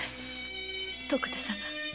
徳田様